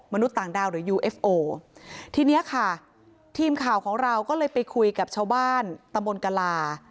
มนุษย์ต่างดาวหรือยูเอฟโอทีเนี้ยค่ะทีมข่าวของเราก็เลยไปคุยกับชาวบ้านตำบลกลา